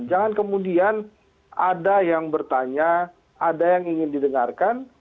jangan kemudian ada yang bertanya ada yang ingin didengarkan